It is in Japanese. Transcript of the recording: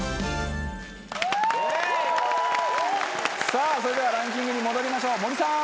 さぁそれではランキングに戻りましょう森さん。